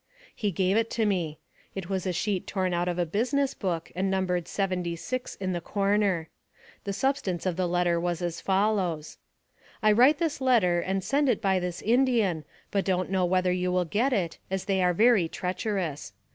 He gave it to me. It was a sheet torn out of a business book, and numbered 76 in the corner. The substance of the letter was as follows :" I write this letter, and send it by this Indian, but don't know whether you will get it, as they are very treacherous.